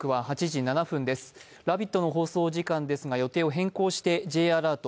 「ラヴィット！」！の放送時間ですが予定を変更してＪアラート